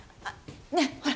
ねえほら